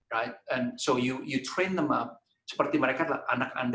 jadi anda melatihkan mereka seperti mereka adalah anak anda